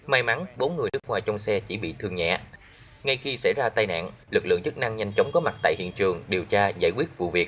may mắn bốn người nước ngoài trong xe chỉ bị thương nhẹ ngay khi xảy ra tai nạn lực lượng chức năng nhanh chóng có mặt tại hiện trường điều tra giải quyết vụ việc